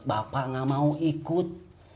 bapak gak mau ikut